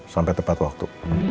sampai tepat waktu